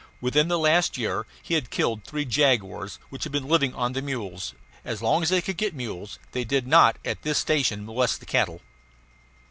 Within the last year he had killed three jaguars, which had been living on the mules; as long as they could get mules they did not at this station molest the cattle.